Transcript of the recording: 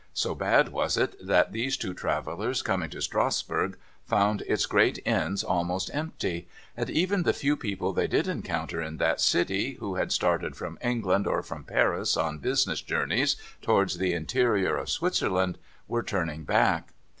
So bad was it that these two travellers, coming to Strasbourg, found its great inns almost empty. And even the few people they did encounter in that city, who had started from England or from Paris on business journeys towards tlie interior of Switzerland, were turning back.